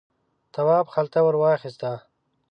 تواب خلته ور واخیسته.